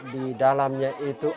di dalamnya itu